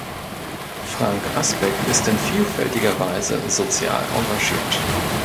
Frank Asbeck ist in vielfältiger Weise sozial engagiert.